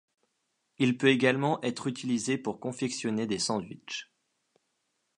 Il peut également être utilisé pour confectionner des sandwiches.